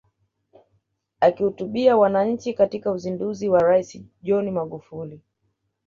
Akihutubia wananchi katika uzinduzi wa Rais John Magufuli